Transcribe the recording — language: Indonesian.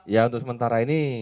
ya untuk sementara ini